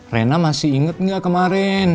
rena masih inget nggak kemarin